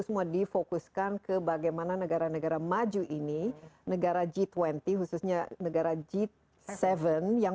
semua difokuskan ke bagaimana negara negara maju ini negara g dua puluh khususnya negara g tujuh yang